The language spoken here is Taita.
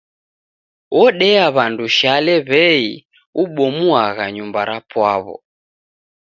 Odea w'andu shale w'ei ubomuagha nyumba rapwaw'o.